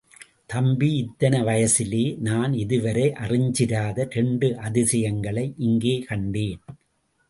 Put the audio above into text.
தம்பி இத்தனை வயசிலே நான் இதுவரை அறிஞ்சிராத இரண்டு அதிசயங்களை இங்கே கண்டேன்.